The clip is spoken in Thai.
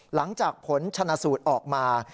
หลังจากผลชนะสูตรออกมา